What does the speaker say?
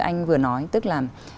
anh vừa nói tức là